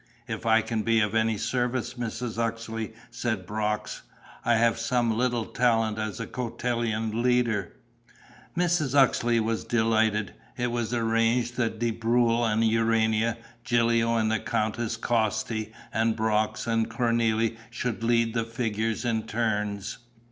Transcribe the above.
"If I can be of any service, Mrs. Uxeley," said Brox, "I have some little talent as a cotillon leader." Mrs. Uxeley was delighted. It was arranged that De Breuil and Urania, Gilio and the Countess Costi and Brox and Cornélie should lead the figures in turns.